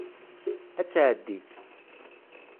Ad tεeddi.